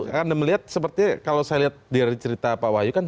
karena melihat seperti kalau saya lihat dari cerita pak wahyu kan